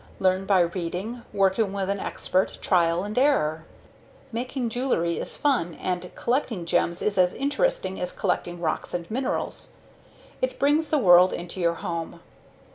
Learn by reading, working with an expert, trial and error. Making jewelry is fun, and collecting gems is as interesting as collecting rocks and minerals; it brings the world into your home.